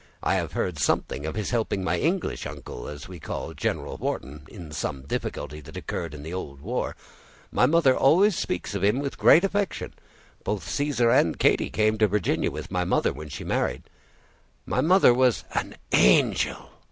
I have heard something of his helping my English uncle, as we call General Wharton, in some difficulty that occurred in the old war. My mother always speaks of him with great affection. Both Caesar and Katy came to Virginia with my mother when she married. My mother was—" "An angel!"